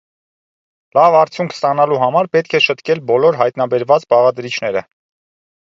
Լավ արդյունք ստանալու համար պետք է շտկել բոլոր հայտնաբերված բաղադրիչները։